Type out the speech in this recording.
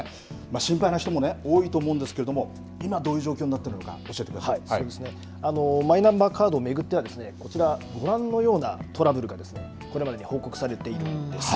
心配な人も多いと思うんですけれども今どういう状況になってるのかマイナンバーカードを巡ってはこちら、ご覧のようなトラブルがこれまでに報告されています。